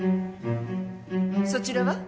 そちらは？